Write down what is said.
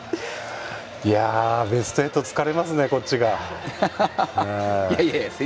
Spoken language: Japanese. ベスト８疲れますね、こっちが。